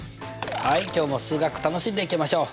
はい今日も数学楽しんでいきましょう。